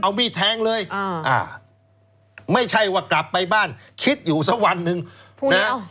เอามีดแทงเลยอ่าไม่ใช่ว่ากลับไปบ้านคิดอยู่สักวันหนึ่งนะ